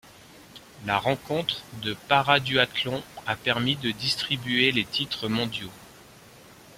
La rencontre de paraduathlon a permis de distribuer les titres mondiaux.